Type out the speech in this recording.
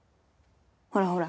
ほらほら